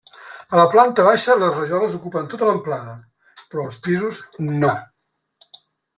A la planta baixa les rajoles ocupen tota l'amplada, però als pisos no.